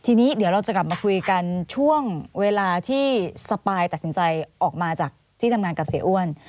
ทีนี้เดี๋ยวเราจะกลับมาคุยกันช่วงเวลาที่สปายตัดสินใจออกมาจากที่ทำงานกับเสียอ้วน